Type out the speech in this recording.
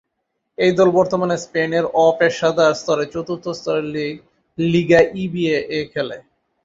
এই দল বর্তমানে স্পেনের অপেশাদার স্তরের চতুর্থ স্তরের লীগ লিগা ইবিএ-এ খেলে।